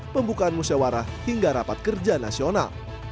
pembukaan musyawarah hingga rapat kerja nasional